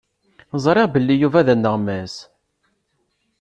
Ẓriɣ belli Yuba d aneɣmas.